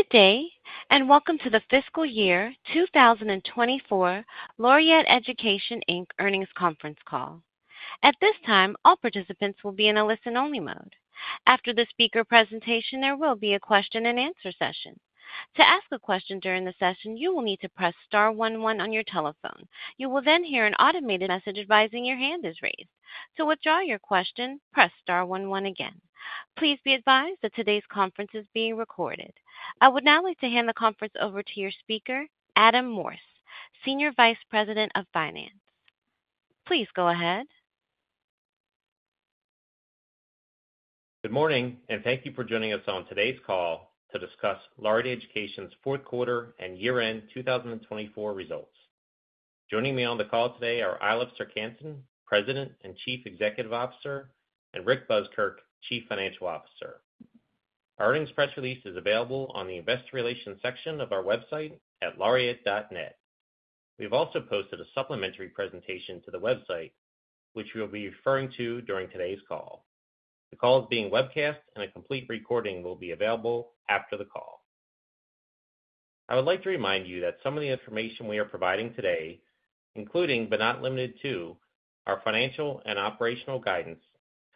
Good day, and welcome to the Fiscal Year 2024 Laureate Education Inc Earnings Conference Call. At this time, all participants will be in a listen-only mode. After the speaker presentation, there will be a question-and-answer session. To ask a question during the session, you will need to press star one one on your telephone. You will then hear an automated message advising your hand is raised. To withdraw your question, press star one one again. Please be advised that today's conference is being recorded. I would now like to hand the conference over to your speaker, Adam Morse, Senior Vice President of Finance. Please go ahead. Good morning, and thank you for joining us on today's call to discuss Laureate Education's Fourth Quarter and Year-End 2024 Results. Joining me on the call today are Eilif Serck-Hanssen, President and Chief Executive Officer, and Rick Buskirk, Chief Financial Officer. Our earnings press release is available on the Investor Relations section of our website at laureate.net. We've also posted a supplementary presentation to the website, which we'll be referring to during today's call. The call is being webcast, and a complete recording will be available after the call. I would like to remind you that some of the information we are providing today, including but not limited to our financial and operational guidance,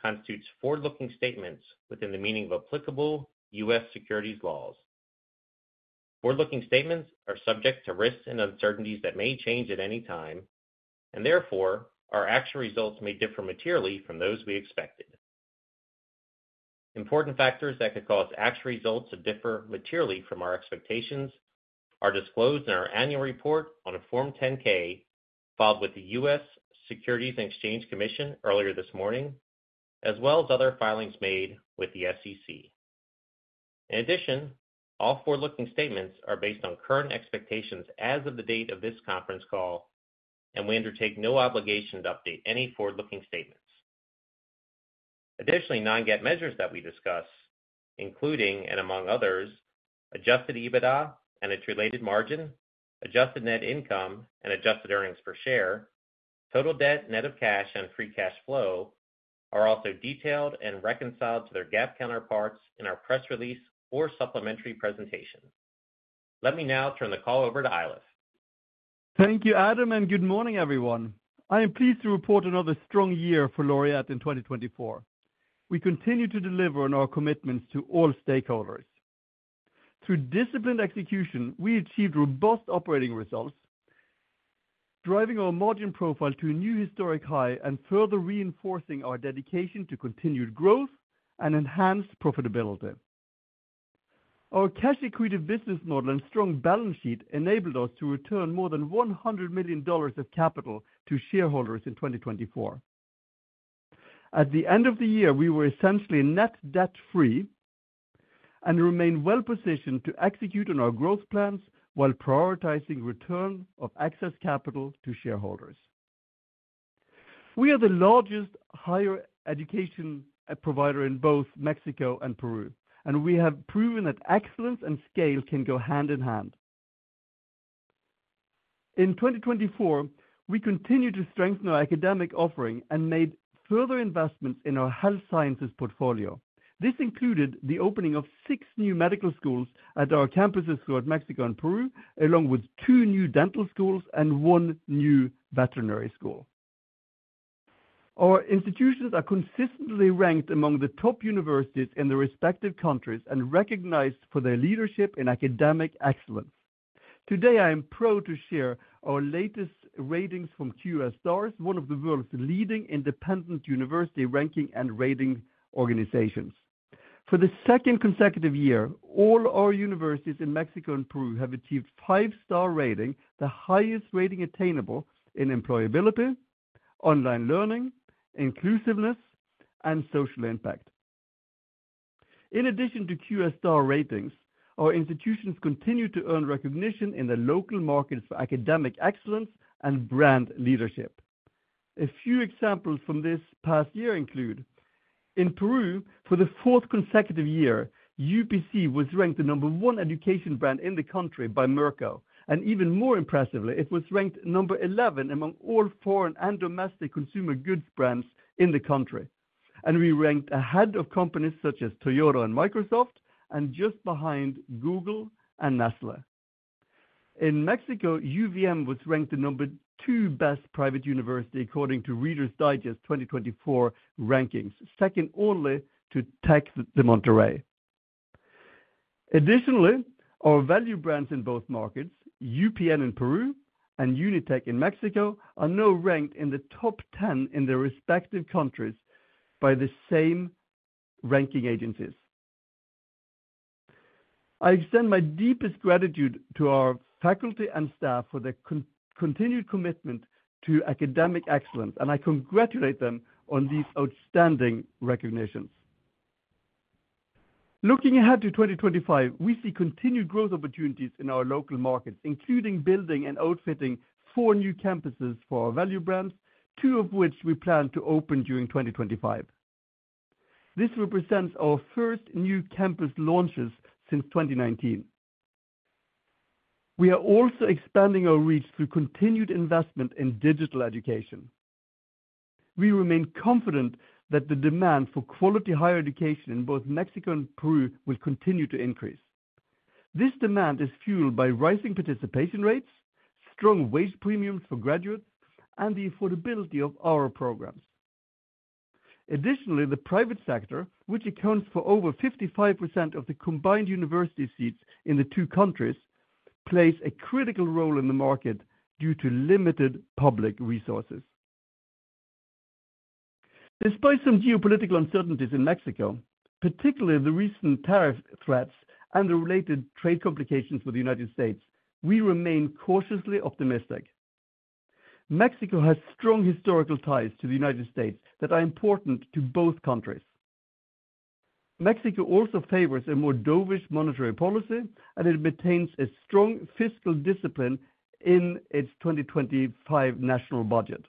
constitutes forward-looking statements within the meaning of applicable U.S. securities laws. Forward-looking statements are subject to risks and uncertainties that may change at any time, and therefore, our actual results may differ materially from those we expected. Important factors that could cause actual results to differ materially from our expectations are disclosed in our annual report on Form 10-K, filed with the U.S. Securities and Exchange Commission earlier this morning, as well as other filings made with the SEC. In addition, all forward-looking statements are based on current expectations as of the date of this conference call, and we undertake no obligation to update any forward-looking statements. Additionally, non-GAAP measures that we discuss, including and among others, Adjusted EBITDA and its related margin, Adjusted Net Income, and Adjusted Earnings Per Share, total debt net of cash, and free cash flow, are also detailed and reconciled to their GAAP counterparts in our press release or supplementary presentation. Let me now turn the call over to Eilif. Thank you, Adam, and good morning, everyone. I am pleased to report another strong year for Laureate in 2024. We continue to deliver on our commitments to all stakeholders. Through disciplined execution, we achieved robust operating results, driving our margin profile to a new historic high and further reinforcing our dedication to continued growth and enhanced profitability. Our cash-equated business model and strong balance sheet enabled us to return more than $100 million of capital to shareholders in 2024. At the end of the year, we were essentially net debt-free and remained well-positioned to execute on our growth plans while prioritizing return of excess capital to shareholders. We are the largest higher education provider in both Mexico and Peru, and we have proven that excellence and scale can go hand in hand. In 2024, we continued to strengthen our academic offering and made further investments in our health sciences portfolio. This included the opening of six new medical schools at our campuses throughout Mexico and Peru, along with two new dental schools and one new veterinary school. Our institutions are consistently ranked among the top universities in their respective countries and recognized for their leadership in academic excellence. Today, I am proud to share our latest ratings from QS Stars, one of the world's leading independent university ranking and rating organizations. For the second consecutive year, all our universities in Mexico and Peru have achieved five-star rating, the highest rating attainable in employability, online learning, inclusiveness, and social impact. In addition to QS Stars ratings, our institutions continue to earn recognition in the local markets for academic excellence and brand leadership. A few examples from this past year include: in Peru, for the fourth consecutive year, UPC was ranked the number one education brand in the country by Merco, and even more impressively, it was ranked number 11 among all foreign and domestic consumer goods brands in the country. And we ranked ahead of companies such as Toyota and Microsoft, and just behind Google and Nestlé. In Mexico, UVM was ranked the number two best private university according to Reader's Digest 2024 rankings, second only to Tec de Monterrey. Additionally, our value brands in both markets, UPN in Peru and UNITEC in Mexico, are now ranked in the top 10 in their respective countries by the same ranking agencies. I extend my deepest gratitude to our faculty and staff for their continued commitment to academic excellence, and I congratulate them on these outstanding recognitions. Looking ahead to 2025, we see continued growth opportunities in our local markets, including building and outfitting four new campuses for our value brands, two of which we plan to open during 2025. This represents our first new campus launches since 2019. We are also expanding our reach through continued investment in digital education. We remain confident that the demand for quality higher education in both Mexico and Peru will continue to increase. This demand is fueled by rising participation rates, strong wage premiums for graduates, and the affordability of our programs. Additionally, the private sector, which accounts for over 55% of the combined university seats in the two countries, plays a critical role in the market due to limited public resources. Despite some geopolitical uncertainties in Mexico, particularly the recent tariff threats and the related trade complications with the United States, we remain cautiously optimistic. Mexico has strong historical ties to the United States that are important to both countries. Mexico also favors a more dovish monetary policy, and it maintains a strong fiscal discipline in its 2025 national budget.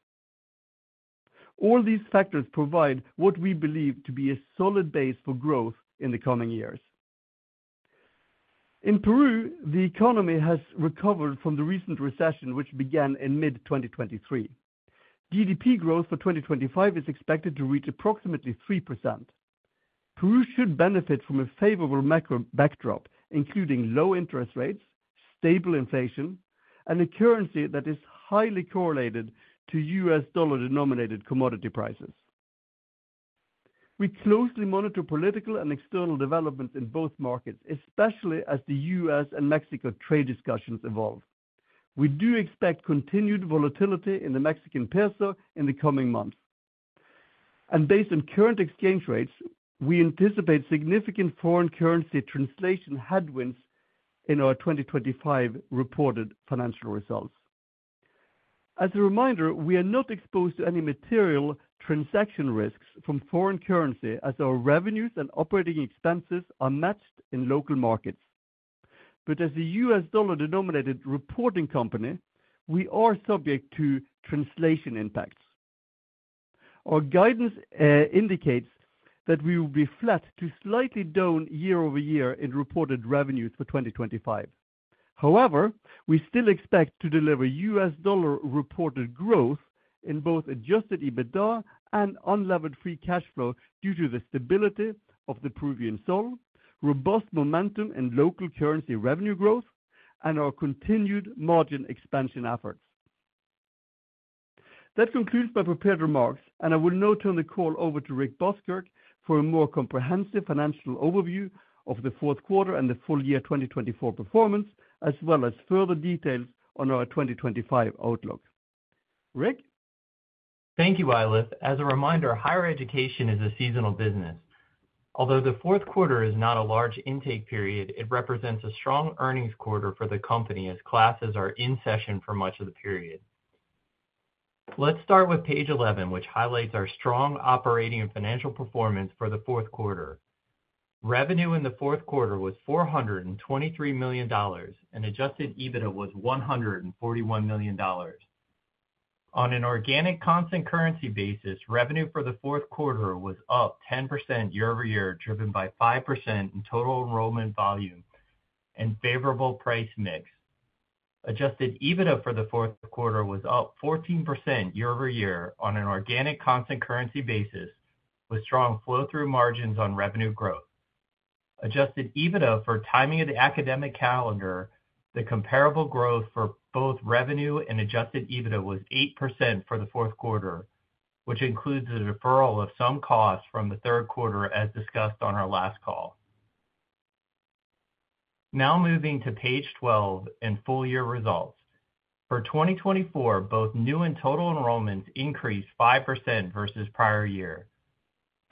All these factors provide what we believe to be a solid base for growth in the coming years. In Peru, the economy has recovered from the recent recession, which began in mid-2023. GDP growth for 2025 is expected to reach approximately 3%. Peru should benefit from a favorable macro backdrop, including low interest rates, stable inflation, and a currency that is highly correlated to U.S. dollar-denominated commodity prices. We closely monitor political and external developments in both markets, especially as the U.S. and Mexico trade discussions evolve. We do expect continued volatility in the Mexican peso in the coming months. Based on current exchange rates, we anticipate significant foreign currency translation headwinds in our 2025 reported financial results. As a reminder, we are not exposed to any material transaction risks from foreign currency, as our revenues and operating expenses are matched in local markets. As a U.S. dollar-denominated reporting company, we are subject to translation impacts. Our guidance indicates that we will be flat to slightly down year-over-year in reported revenues for 2025. However, we still expect to deliver U.S. dollar-reported growth in both Adjusted EBITDA and Unlevered Free Cash Flow due to the stability of the Peruvian sol, robust momentum in local currency revenue growth, and our continued margin expansion efforts. That concludes my prepared remarks, and I will now turn the call over to Rick Buskirk for a more comprehensive financial overview of the fourth quarter and the full year 2024 performance, as well as further details on our 2025 outlook. Rick? Thank you, Eilif. As a reminder, higher education is a seasonal business. Although the fourth quarter is not a large intake period, it represents a strong earnings quarter for the company, as classes are in session for much of the period. Let's start with page 11, which highlights our strong operating and financial performance for the fourth quarter. Revenue in the fourth quarter was $423 million, and Adjusted EBITDA was $141 million. On an organic constant currency basis, revenue for the fourth quarter was up 10% year-over-year, driven by 5% in total enrollment volume and favorable price mix. Adjusted EBITDA for the fourth quarter was up 14% year-over-year on an organic constant currency basis, with strong flow-through margins on revenue growth. Adjusted EBITDA for timing of the academic calendar, the comparable growth for both revenue and Adjusted EBITDA was 8% for the fourth quarter, which includes the deferral of some costs from the third quarter, as discussed on our last call. Now moving to page 12 and full year results. For 2024, both new and total enrollments increased 5% versus prior year.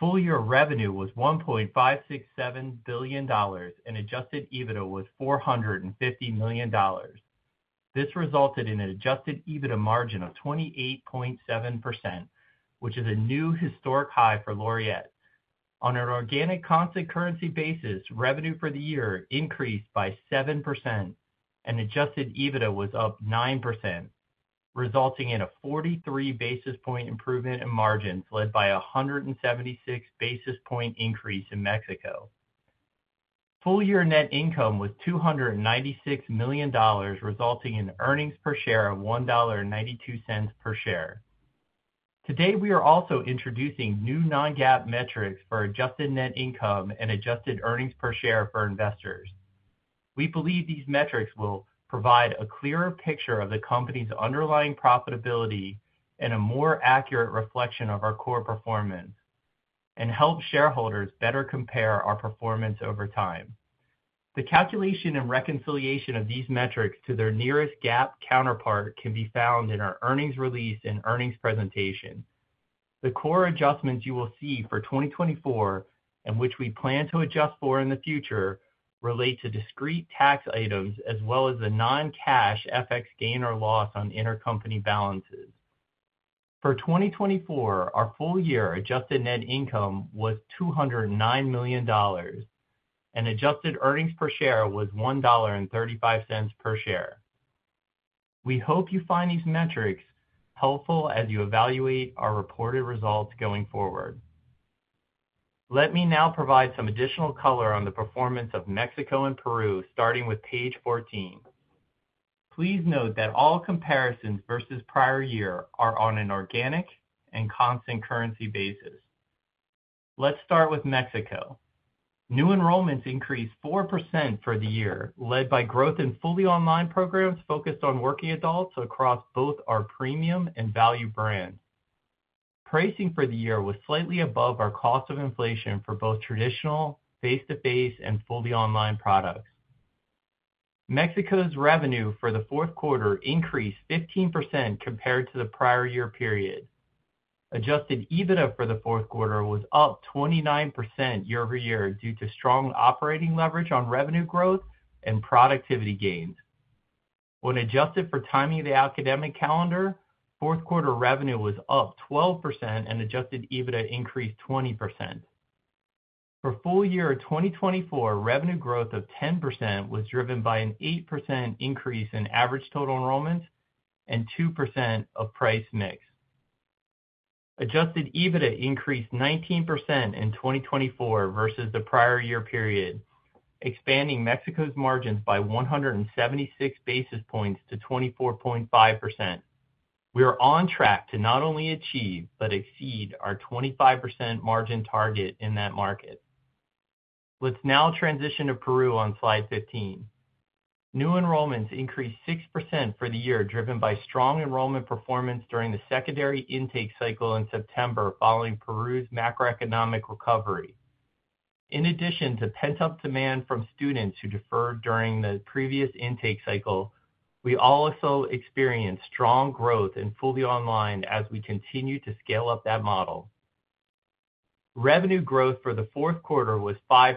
Full year revenue was $1.567 billion, and Adjusted EBITDA was $450 million. This resulted in an Adjusted EBITDA margin of 28.7%, which is a new historic high for Laureate. On an organic constant currency basis, revenue for the year increased by 7%, and Adjusted EBITDA was up 9%, resulting in a 43 basis point improvement in margins, led by a 176 basis point increase in Mexico. Full year net income was $296 million, resulting in earnings per share of $1.92 per share. Today, we are also introducing new non-GAAP metrics for adjusted net income and adjusted earnings per share for investors. We believe these metrics will provide a clearer picture of the company's underlying profitability and a more accurate reflection of our core performance, and help shareholders better compare our performance over time. The calculation and reconciliation of these metrics to their nearest GAAP counterpart can be found in our earnings release and earnings presentation. The core adjustments you will see for 2024, and which we plan to adjust for in the future, relate to discrete tax items, as well as the non-cash FX gain or loss on intercompany balances. For 2024, our full year adjusted net income was $209 million, and adjusted earnings per share was $1.35 per share. We hope you find these metrics helpful as you evaluate our reported results going forward. Let me now provide some additional color on the performance of Mexico and Peru, starting with page 14. Please note that all comparisons versus prior year are on an organic and constant currency basis. Let's start with Mexico. New enrollments increased 4% for the year, led by growth in fully online programs focused on working adults across both our premium and value brand. Pricing for the year was slightly above our cost of inflation for both traditional, face-to-face, and fully online products. Mexico's revenue for the fourth quarter increased 15% compared to the prior year period. Adjusted EBITDA for the fourth quarter was up 29% year-over-year due to strong operating leverage on revenue growth and productivity gains. When adjusted for timing of the academic calendar, fourth quarter revenue was up 12%, and Adjusted EBITDA increased 20%. For full year 2024, revenue growth of 10% was driven by an 8% increase in average total enrollments and 2% of price mix. Adjusted EBITDA increased 19% in 2024 versus the prior year period, expanding Mexico's margins by 176 basis points to 24.5%. We are on track to not only achieve but exceed our 25% margin target in that market. Let's now transition to Peru on slide 15. New enrollments increased 6% for the year, driven by strong enrollment performance during the secondary intake cycle in September, following Peru's macroeconomic recovery. In addition to pent-up demand from students who deferred during the previous intake cycle, we also experienced strong growth in fully online as we continue to scale up that model. Revenue growth for the fourth quarter was 5%.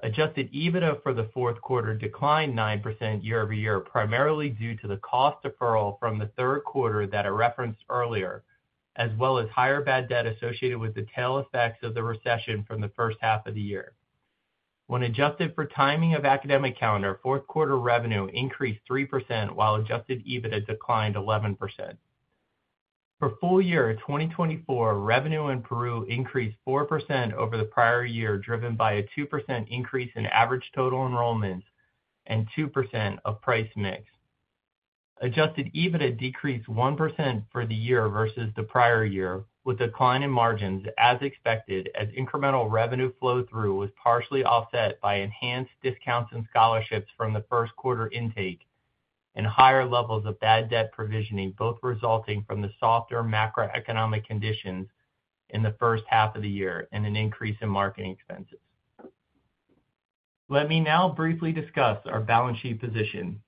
Adjusted EBITDA for the fourth quarter declined 9% year-over-year, primarily due to the cost deferral from the third quarter that I referenced earlier, as well as higher bad debt associated with the tail effects of the recession from the first half of the year. When adjusted for timing of academic calendar, fourth quarter revenue increased 3%, while Adjusted EBITDA declined 11%. For full year 2024, revenue in Peru increased 4% over the prior year, driven by a 2% increase in average total enrollments and 2% of price mix. Adjusted EBITDA decreased 1% for the year versus the prior year, with a decline in margins as expected, as incremental revenue flow-through was partially offset by enhanced discounts and scholarships from the first quarter intake and higher levels of bad debt provisioning, both resulting from the softer macroeconomic conditions in the first half of the year and an increase in marketing expenses. Let me now briefly discuss our balance sheet position.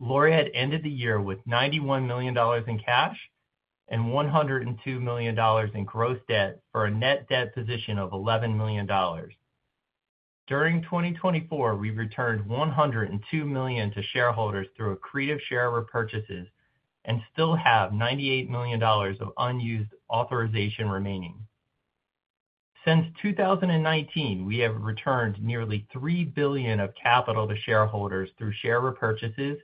Laureate ended the year with $91 million in cash and $102 million in gross debt for a net debt position of $11 million. During 2024, we returned $102 million to shareholders through accretive share repurchases and still have $98 million of unused authorization remaining. Since 2019, we have returned nearly $3 billion of capital to shareholders through share repurchases,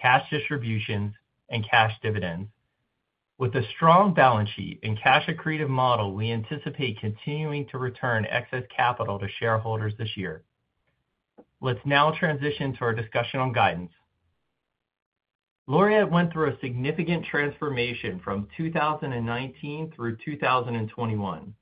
cash distributions, and cash dividends. With a strong balance sheet and cash accretive model, we anticipate continuing to return excess capital to shareholders this year. Let's now transition to our discussion on guidance. Laureate went through a significant transformation from 2019 through 2021.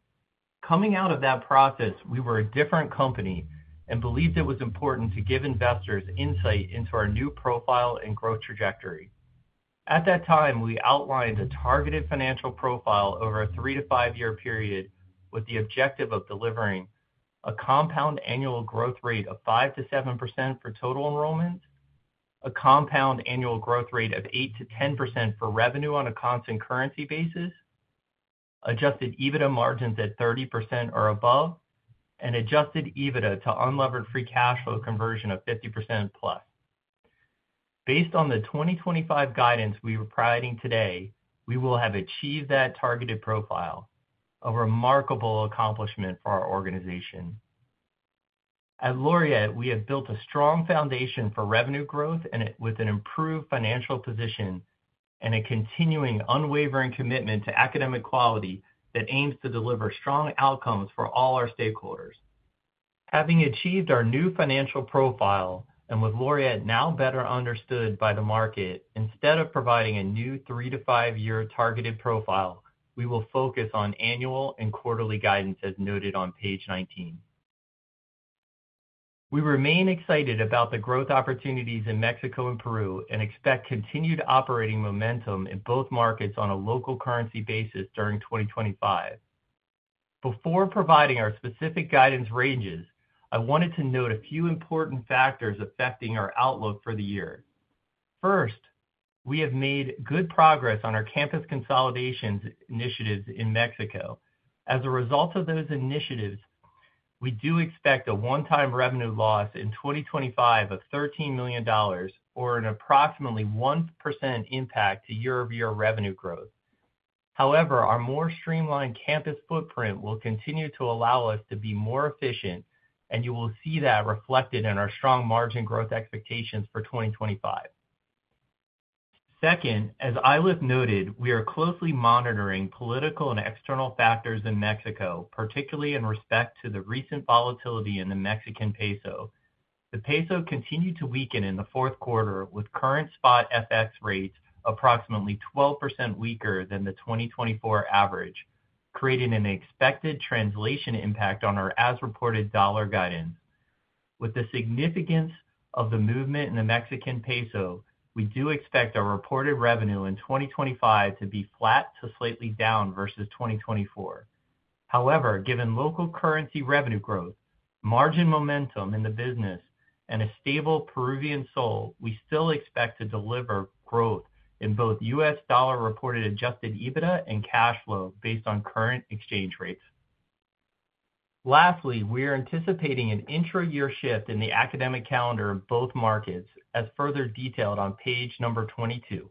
Coming out of that process, we were a different company and believed it was important to give investors insight into our new profile and growth trajectory. At that time, we outlined a targeted financial profile over a three to five-year period, with the objective of delivering a compound annual growth rate of 5% to 7% for total enrollments, a compound annual growth rate of 8% to 10% for revenue on a constant currency basis, Adjusted EBITDA margins at 30% or above, and Adjusted EBITDA to Unlevered Free Cash Flow conversion of 50% plus. Based on the 2025 guidance we are providing today, we will have achieved that targeted profile, a remarkable accomplishment for our organization. At Laureate, we have built a strong foundation for revenue growth and with an improved financial position and a continuing unwavering commitment to academic quality that aims to deliver strong outcomes for all our stakeholders. Having achieved our new financial profile and with Laureate now better understood by the market, instead of providing a new three- to five-year targeted profile, we will focus on annual and quarterly guidance as noted on page 19. We remain excited about the growth opportunities in Mexico and Peru and expect continued operating momentum in both markets on a local currency basis during 2025. Before providing our specific guidance ranges, I wanted to note a few important factors affecting our outlook for the year. First, we have made good progress on our campus consolidation initiatives in Mexico. As a result of those initiatives, we do expect a one-time revenue loss in 2025 of $13 million or an approximately 1% impact to year-over-year revenue growth. However, our more streamlined campus footprint will continue to allow us to be more efficient, and you will see that reflected in our strong margin growth expectations for 2025. Second, as Eilif noted, we are closely monitoring political and external factors in Mexico, particularly in respect to the recent volatility in the Mexican peso. The peso continued to weaken in the fourth quarter, with current spot FX rates approximately 12% weaker than the 2024 average, creating an expected translation impact on our as-reported dollar guidance. With the significance of the movement in the Mexican peso, we do expect our reported revenue in 2025 to be flat to slightly down versus 2024. However, given local currency revenue growth, margin momentum in the business, and a stable Peruvian sol, we still expect to deliver growth in both U.S. dollar-reported Adjusted EBITDA and cash flow based on current exchange rates. Lastly, we are anticipating an intra-year shift in the academic calendar of both markets, as further detailed on page number 22.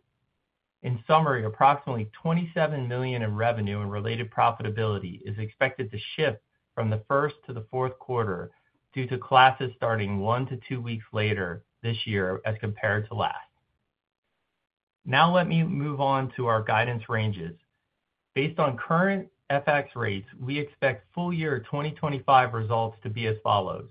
In summary, approximately $27 million in revenue and related profitability is expected to shift from the first to the fourth quarter due to classes starting one to two weeks later this year as compared to last. Now let me move on to our guidance ranges. Based on current FX rates, we expect full year 2025 results to be as follows: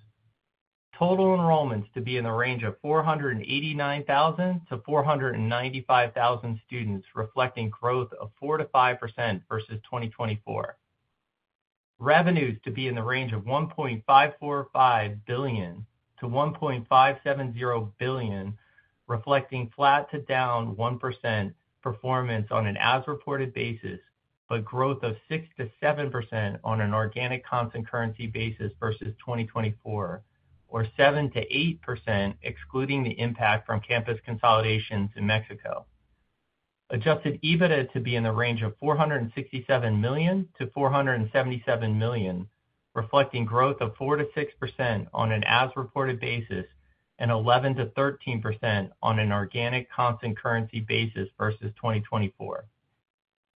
total enrollments to be in the range of 489,000-495,000 students, reflecting growth of 4%-5% versus 2024. Revenues to be in the range of $1.545-$1.570 billion, reflecting flat to down 1% performance on an as-reported basis, but growth of 6%-7% on an organic constant currency basis versus 2024, or 7%-8% excluding the impact from campus consolidations in Mexico. Adjusted EBITDA to be in the range of $467 million-$477 million, reflecting growth of 4%-6% on an as-reported basis and 11%-13% on an organic constant currency basis versus 2024.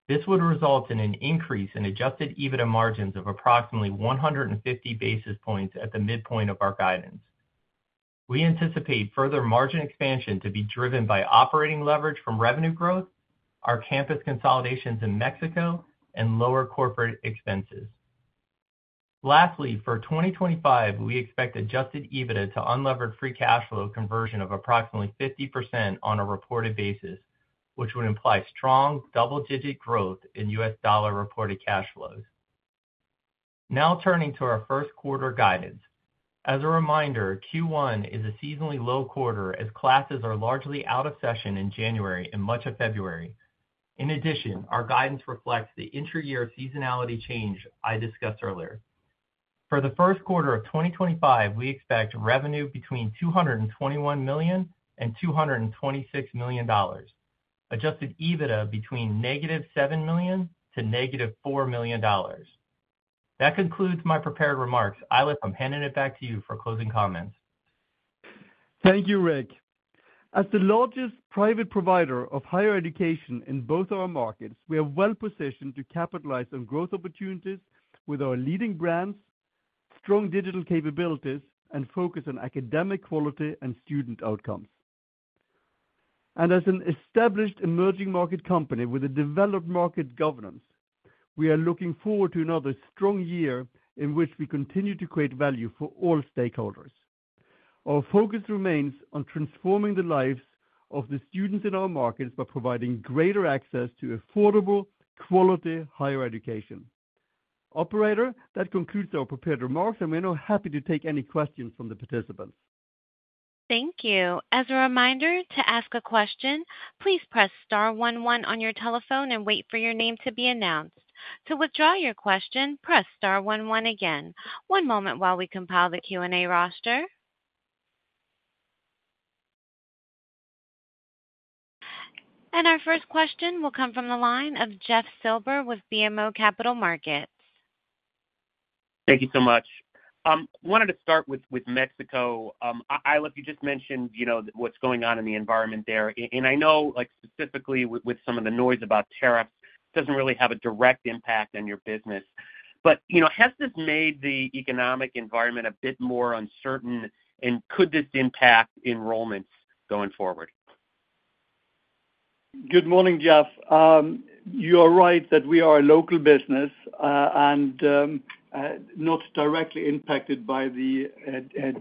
This would result in an increase in Adjusted EBITDA margins of approximately 150 basis points at the midpoint of our guidance. We anticipate further margin expansion to be driven by operating leverage from revenue growth, our campus consolidations in Mexico, and lower corporate expenses. Lastly, for 2025, we expect Adjusted EBITDA to Unlevered Free Cash Flow conversion of approximately 50% on a reported basis, which would imply strong double-digit growth in U.S. dollar-reported cash flows. Now turning to our first quarter guidance. As a reminder, Q1 is a seasonally low quarter as classes are largely out of session in January and much of February. In addition, our guidance reflects the intra-year seasonality change I discussed earlier. For the first quarter of 2025, we expect revenue between $221 million and $226 million, Adjusted EBITDA between -$7 million to -$4 million. That concludes my prepared remarks. Eilif, I'm handing it back to you for closing comments. Thank you, Rick. As the largest private provider of higher education in both our markets, we are well positioned to capitalize on growth opportunities with our leading brands, strong digital capabilities, and focus on academic quality and student outcomes. And as an established emerging market company with a developed market governance, we are looking forward to another strong year in which we continue to create value for all stakeholders. Our focus remains on transforming the lives of the students in our markets by providing greater access to affordable, quality higher education. Operator, that concludes our prepared remarks, and we're now happy to take any questions from the participants. Thank you. As a reminder, to ask a question, please press star one one on your telephone and wait for your name to be announced. To withdraw your question, press star one one again. One moment while we compile the Q&A roster. And our first question will come from the line of Jeff Silber with BMO Capital Markets. Thank you so much. I wanted to start with Mexico. Eilif, you just mentioned what's going on in the environment there. And I know specifically with some of the noise about tariffs, it doesn't really have a direct impact on your business. But has this made the economic environment a bit more uncertain, and could this impact enrollments going forward? Good morning, Jeff. You are right that we are a local business and not directly impacted by the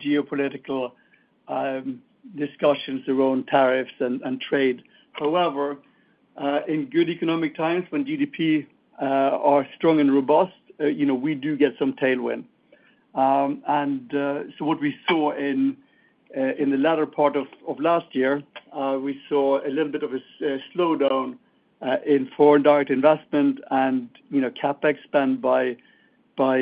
geopolitical discussions around tariffs and trade. However, in good economic times when GDP are strong and robust, we do get some tailwind, and so what we saw in the latter part of last year, we saw a little bit of a slowdown in foreign direct investment and CapEx spent by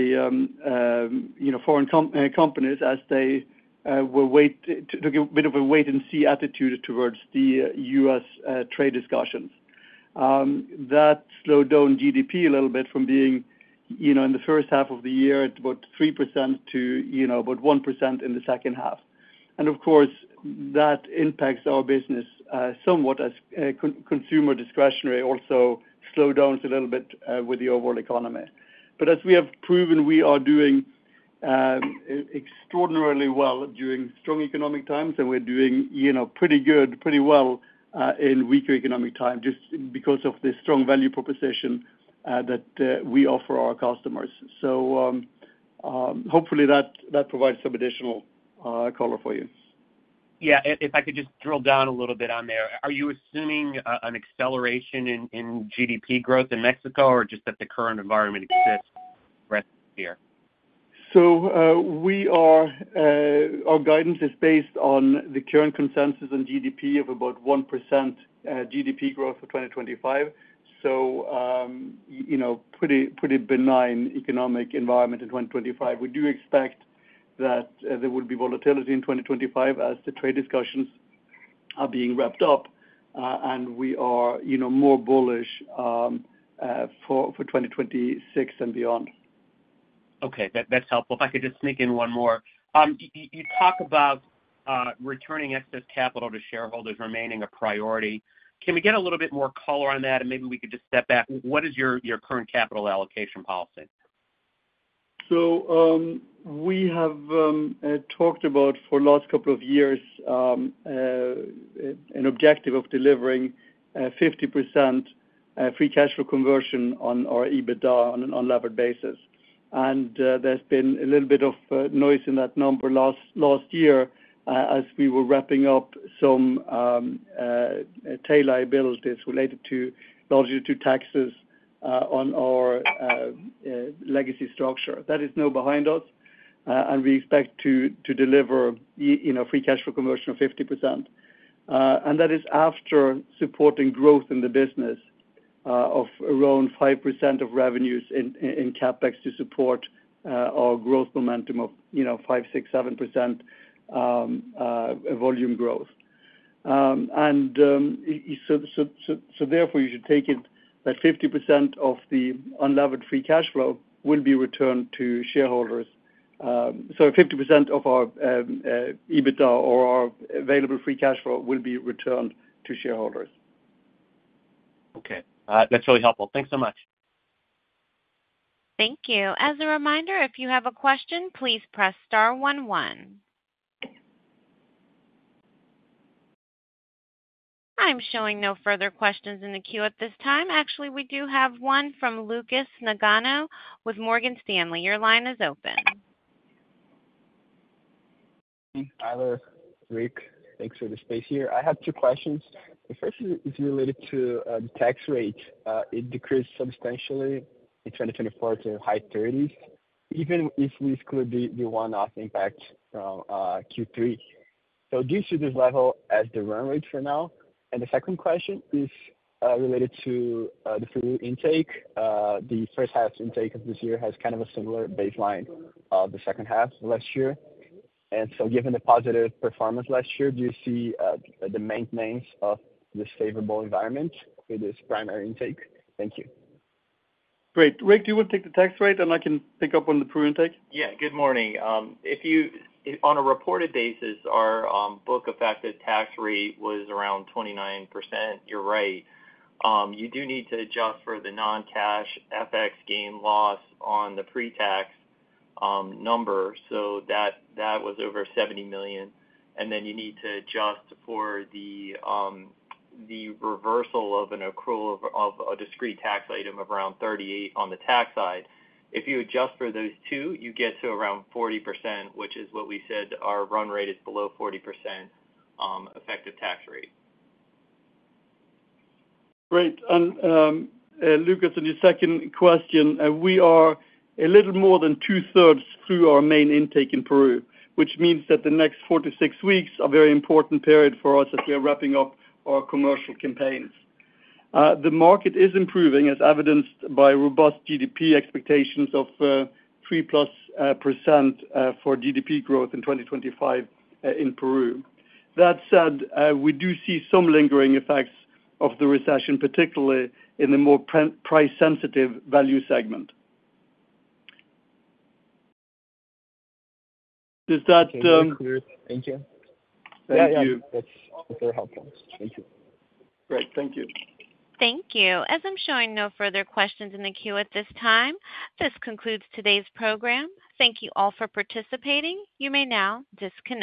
foreign companies as they took a bit of a wait-and-see attitude towards the U.S. trade discussions. That slowed down GDP a little bit from being in the first half of the year at about 3% to about 1% in the second half, and of course, that impacts our business somewhat as consumer discretionary also slowed down a little bit with the overall economy. But as we have proven, we are doing extraordinarily well during strong economic times, and we're doing pretty good, pretty well in weaker economic times just because of the strong value proposition that we offer our customers. So hopefully that provides some additional color for you. Yeah. If I could just drill down a little bit on there, are you assuming an acceleration in GDP growth in Mexico or just that the current environment exists for us here? So our guidance is based on the current consensus on GDP of about 1% GDP growth for 2025. So pretty benign economic environment in 2025. We do expect that there will be volatility in 2025 as the trade discussions are being wrapped up, and we are more bullish for 2026 and beyond. Okay. That's helpful. If I could just sneak in one more. You talk about returning excess capital to shareholders remaining a priority. Can we get a little bit more color on that, and maybe we could just step back? What is your current capital allocation policy? So we have talked about for the last couple of years an objective of delivering 50% free cash flow conversion on our EBITDA on an unlevered basis. And there's been a little bit of noise in that number last year as we were wrapping up some tail liabilities related to largely to taxes on our legacy structure. That is now behind us, and we expect to deliver free cash flow conversion of 50%. And that is after supporting growth in the business of around 5% of revenues in CapEx to support our growth momentum of 5%, 6%, 7% volume growth. And so therefore, you should take it that 50% of the Unlevered Free Cash Flow will be returned to shareholders. So 50% of our EBITDA or our available free cash flow will be returned to shareholders. Okay. That's really helpful. Thanks so much. Thank you. As a reminder, if you have a question, please press star 11. I'm showing no further questions in the queue at this time. Actually, we do have one from Lucas Nagano with Morgan Stanley. Your line is open. Hi there, Rick. Thanks for the space here. I have two questions. The first is related to the tax rate. It decreased substantially in 2024 to high 30s%, even if we exclude the one-off impact from Q3. So do you see this level as the run rate for now? And the second question is related to the new intake. The first-half intake of this year has kind of a similar baseline of the second half last year. And so given the positive performance last year, do you see the maintenance of this favorable environment with this primary intake? Thank you. Great. Rick, do you want to take the tax rate, and I can pick up on the full intake? Yeah. Good morning. On a reported basis, our book effective tax rate was around 29%. You're right. You do need to adjust for the non-cash FX gain loss on the pre-tax number. So that was over $70 million. And then you need to adjust for the reversal of a discrete tax item of around $38 million on the tax side. If you adjust for those two, you get to around 40%, which is what we said our run rate is below 40% effective tax rate. Great. Lucas, on your second question, we are a little more than two-thirds through our main intake in Peru, which means that the next four to six weeks are a very important period for us as we are wrapping up our commercial campaigns. The market is improving, as evidenced by robust GDP expectations of 3% plus for GDP growth in 2025 in Peru. That said, we do see some lingering effects of the recession, particularly in the more price-sensitive value segment. Does that? Thank you. That's very helpful. Thank you. Great. Thank you. Thank you. As I'm showing no further questions in the queue at this time, this concludes today's program. Thank you all for participating. You may now disconnect.